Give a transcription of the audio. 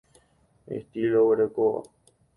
Estilo oguerekóva.